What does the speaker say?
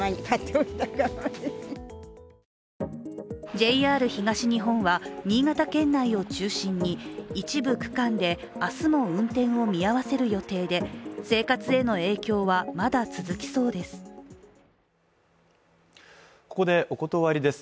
ＪＲ東日本は、新潟県内を中心に一部区間で明日も運転を見合わせる予定で生活への影響は、まだ続きそうです。